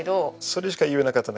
それしか言えなかった。